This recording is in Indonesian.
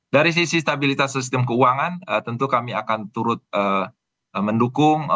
dari sisi stabilitas sistem keuangan tentu kami akan turut mendukung